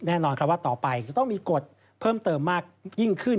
แน่นอนครับว่าต่อไปจะต้องมีกฎเพิ่มเติมมากยิ่งขึ้น